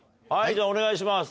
じゃあお願いします。